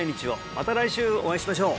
また来週お会いしましょう